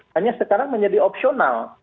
hanya sekarang menjadi opsional